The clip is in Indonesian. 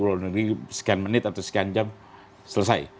luar negeri sekian menit atau sekian jam selesai